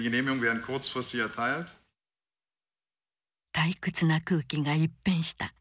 退屈な空気が一変した。